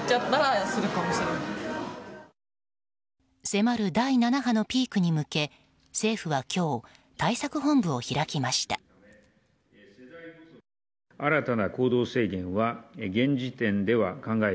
迫る第７波のピークに向け政府は今日対策本部を開きました。